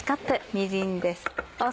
みりんです。